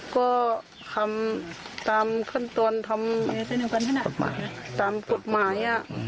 ก็ทำตามขั้นตนคตหมาย